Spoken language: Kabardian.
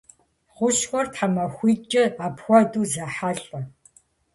Хущхъуэр тхьэмахуитӀкӀэ апхуэдэу зэхьэлӏэ.